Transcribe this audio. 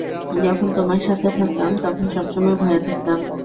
যখন তোমার সাথে থাকতাম, তখন সবসময় ভয়ে থাকতাম।